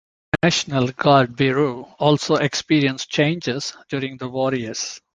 The National Guard Bureau also experienced changes during the war years.